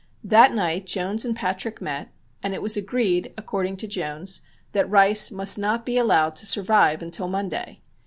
That night Jones and Patrick met, and it was agreed (according to Jones) that Rice must not be allowed to survive until Monday.